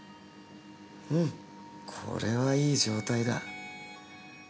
うんこれはいい状態だ。